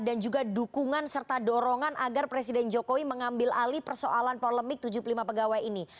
juga dukungan serta dorongan agar presiden jokowi mengambil alih persoalan polemik tujuh puluh lima pegawai ini